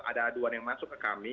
ada aduan yang masuk ke kami